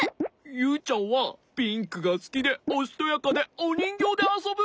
ユウちゃんはピンクがすきでおしとやかでおにんぎょうであそぶ！